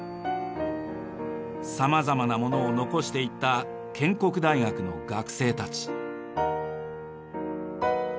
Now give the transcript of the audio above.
さまざまなものを残していった建国大学の学生たち。